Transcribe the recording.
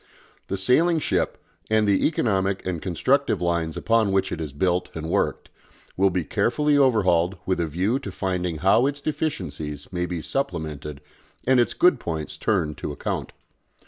The sailing ship, and the economic and constructive lines upon which it is built and worked, will be carefully overhauled with a view to finding how its deficiencies may be supplemented and its good points turned to account.